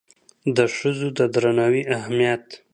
د ښځو د درناوي اهمیت